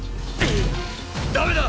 ダメだ！